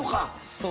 そう。